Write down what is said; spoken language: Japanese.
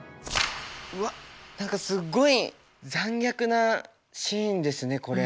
うわっ何かすごい残虐なシーンですねこれ。